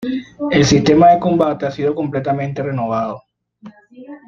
El sistema de combate ha sido completamente renovado.